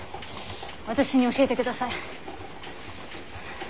私に教えてください。